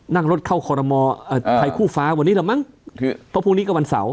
นั่งรถเข้าคอรมอไทยคู่ฟ้าวันนี้แหละมั้งเพราะพรุ่งนี้ก็วันเสาร์